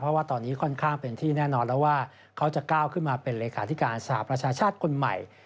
เพราะว่าตอนนี้ค่อนข้างเป็นที่แน่นอนแล้วว่าเขาจะก้าวขึ้นมาเป็นเลขาธิการสหประชาชาติคนใหม่